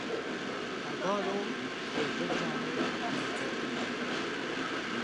Hevalo ji Libnanê derketibû.